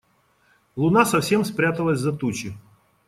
Луна совсем спряталась за тучи.